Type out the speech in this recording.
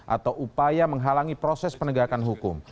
atau upaya menghalangi proses penegakan hukum